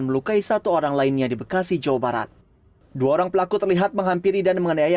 melukai satu orang lainnya di bekasi jawa barat dua orang pelaku terlihat menghampiri dan mengandai